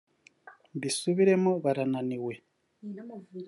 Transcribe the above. mbisubiremo barananiwe